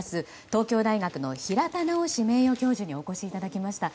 東京大学の平田直名誉教授にお越しいただきました。